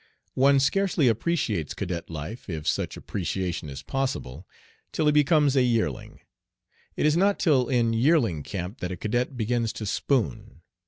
One scarcely appreciates cadet life if such appreciation is possible till he becomes a yearling. It is not till in yearling camp that a cadet begins to "spoon."